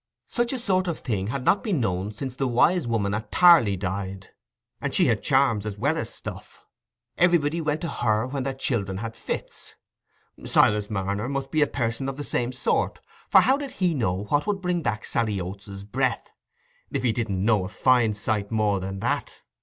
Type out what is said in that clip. Such a sort of thing had not been known since the Wise Woman at Tarley died; and she had charms as well as "stuff": everybody went to her when their children had fits. Silas Marner must be a person of the same sort, for how did he know what would bring back Sally Oates's breath, if he didn't know a fine sight more than that?